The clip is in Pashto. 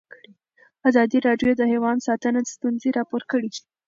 ازادي راډیو د حیوان ساتنه ستونزې راپور کړي.